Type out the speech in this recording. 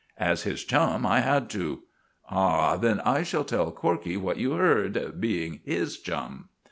"As his chum I had to." "Ah, then I shall tell Corkey what you heard, being his chum."